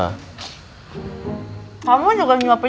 hai hehehe jangan ketawa ketawa